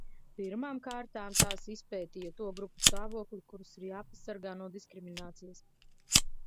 Pirmām kārtām tās izpētīja to grupu stāvokli, kuras ir jāpasargā no diskriminācijas.